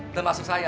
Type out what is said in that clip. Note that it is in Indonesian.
termasuk saya pak